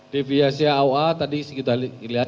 deviasi aoa tadi kita lihat